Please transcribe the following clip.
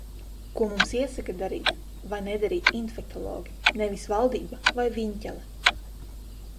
Ko mums iesaka darīt vai nedarīt infektologi. Nevis valdība vai Viņķele.